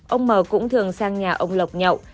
ông m cũng thường sang nhà ông lộc nhậu